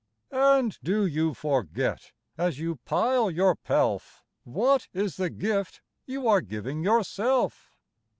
And do you forget, as you pile your pelf, What is the gift you are giving yourself?